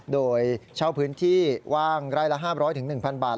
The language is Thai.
โดยเช่าพื้นที่ว่างไร่ละ๕๐๐๑๐๐บาท